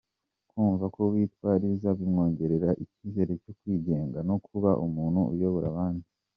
Kumva ko yitwa Liza bimwongerera icyizere cyo kwigenga no kuba umuntu uyobora abandi.